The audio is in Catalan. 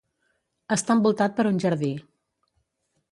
Està envoltat per un jardí.